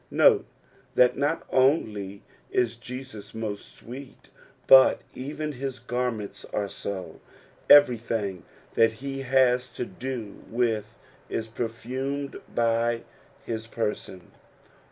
Note that not only is Jcfua most sweet, but even his garments are so ; everything that he has to do with is perfumed by hbperson.